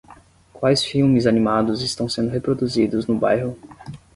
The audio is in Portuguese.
Quais filmes animados estão sendo reproduzidos no bairro?